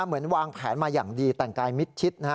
เหมือนวางแผนมาอย่างดีแต่งกายมิดชิดนะฮะ